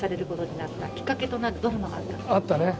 あったね。